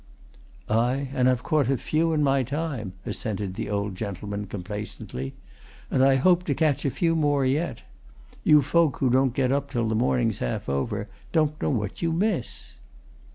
"Aye, and I've caught a few in my time," assented the old gentleman, complacently. "And I hope to catch a few more yet. You folk who don't get up till the morning's half over don't know what you miss."